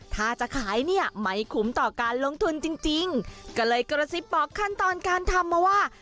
ถ้าจะขายเนี่ยไม่คุ้มต่อการลงทุนจริงจริงก็เลยกระซิบบอกขั้นตอนการทำมาว่า